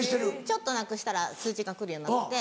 ちょっとなくしたら通知が来るようになってて。